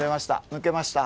抜けました。